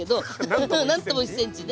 何とも１ｃｍね。